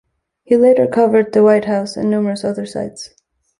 He later covered the White House and numerous other sites.